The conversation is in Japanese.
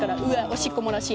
おしっこ漏らし！